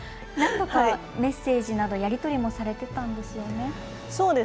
何度かメッセージなどやり取りされてたんですよね。